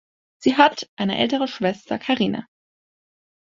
Sie hat eine ältere Schwester Karina.